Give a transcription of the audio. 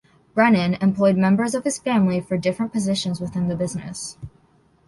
Brennan employed members of his family for different positions within the business.